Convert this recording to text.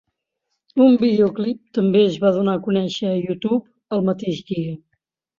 Un videoclip també es va donar a conèixer a YouTube el mateix dia.